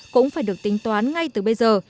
cũng phải được tính toán ngay từ bây giờ